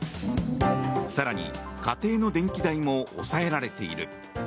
更に、家庭の電気代も抑えられている。